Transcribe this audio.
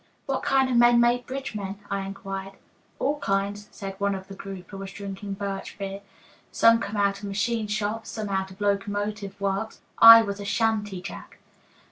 "What kind of men make bridge men?" I inquired. "All kinds," said one of the group who was drinking birch beer, "Some come out of machine shops, some out of locomotive works, I was a 'shanty jack.'"